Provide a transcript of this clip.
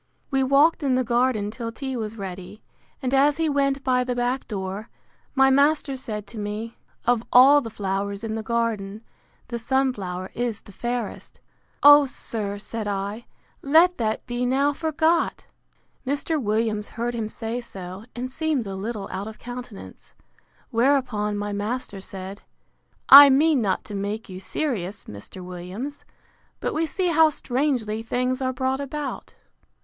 We walked in the garden till tea was ready; and as he went by the back door, my master said to me, Of all the flowers in the garden, the sun flower is the fairest!—O, sir, said I, let that be now forgot! Mr. Williams heard him say so, and seemed a little out of countenance: Whereupon my master said, I mean not to make you serious, Mr. Williams; but we see how strangely things are brought about.